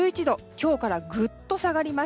今日からぐっと下がります。